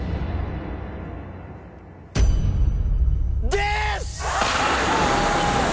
です！